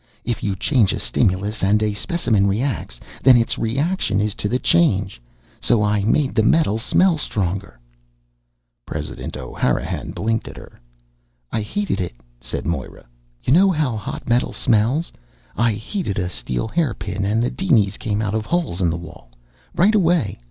"If you change a stimulus and a specimen reacts, then its reaction is to the change. So I made the metal smell stronger." President O'Hanrahan blinked at her. "I ... heated it," said Moira. "You know how hot metal smells. I heated a steel hairpin and the dinies came out of holes in the wall, right away!